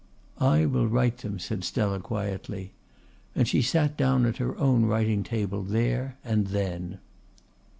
"I will write them," said Stella quietly. And she sat down at her own writing table there and then.